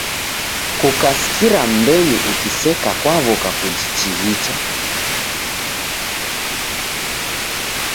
Kukasikira mbenyu ukiseka kwaw'oka kuchighichika!